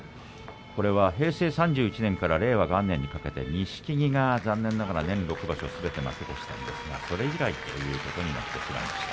平成３１年から令和元年にかけて錦木が残念ながら年６場所すべて負け越していますがそれ以来ということになります。